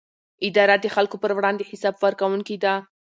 اداره د خلکو پر وړاندې حساب ورکوونکې ده.